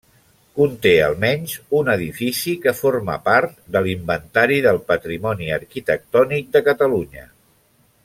Conté almenys un edifici que forma part de l'Inventari del Patrimoni Arquitectònic de Catalunya.